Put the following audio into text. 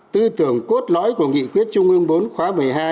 tư tưởng cốt lõi của nghị quyết trung ương bốn khóa một mươi hai